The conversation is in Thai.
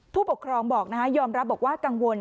ผู้ปกครองบอกนะคะยอมรับบอกว่ากังวล